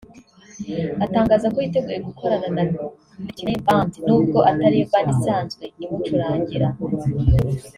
atangaza ko yiteguye gukorana na Neptunez Band nubwo atariyo Band isanzwe imucurangira